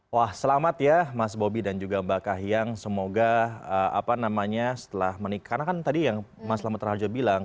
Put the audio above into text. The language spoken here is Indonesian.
wah selamat ya mas bobby dan juga mbak kahyang semoga setelah menikah karena kan tadi yang mas lama terharjo bilang